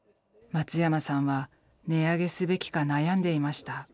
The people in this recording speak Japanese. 松山さんは値上げすべきか悩んでいました。